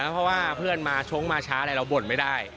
เพราะว่าเพื่อนมาช้าเราบ่นไม่ได้